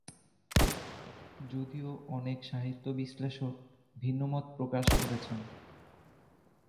যদিও অনেক সাহিত্য বিশ্লেষক ভিন্নমত প্রকাশ করেছেন।